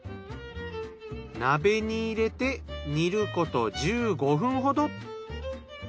鍋に入れて煮ること１５分ほど。